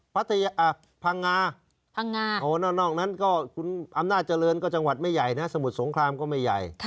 พังงานอกนั้นก็อำนาจเจริญก็ไม่ใหญ่นะสมุทรสงครามก็ไม่ใหญ่